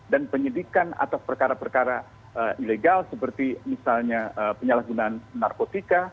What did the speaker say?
dan penyidikan atas perkara perkara ilegal seperti misalnya penyalahgunaan narkotika